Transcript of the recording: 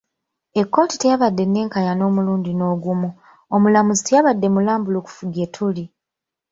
Ekkooti teyabadde nnenkanya n’omulundi n’ogumu, omulamuzi teyabadde mulambulukufu gye tuli.